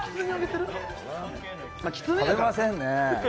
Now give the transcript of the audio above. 食べませんねぇ。